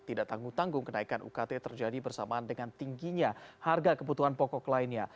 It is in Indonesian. tidak tanggung tanggung kenaikan ukt terjadi bersamaan dengan tingginya harga kebutuhan pokok lainnya